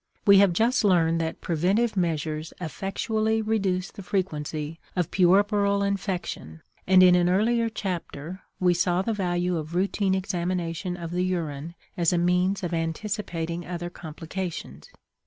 We have just learned that preventive measures effectually reduce the frequency of puerperal infection, and in an earlier chapter we saw the value of routine examination of the urine as a means of anticipating other complications.